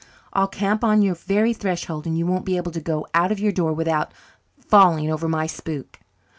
I'll camp on your very threshold and you won't be able to go out of your door without falling over my spook."